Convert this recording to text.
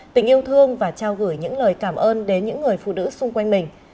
tình yêu thương và trao gửi những lời cảm ơn đến những người phụ nữ xung quanh mình